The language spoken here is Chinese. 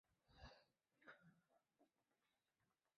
一般脱毛后在一到两个星期毛就回重新长出来。